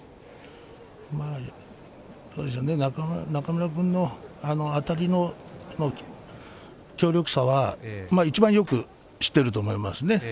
どうでしょうね中村君のあたりの強力さはいちばんよく知っていると思いますね。